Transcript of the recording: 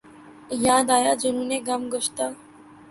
یاد آیا جنون گم گشتہ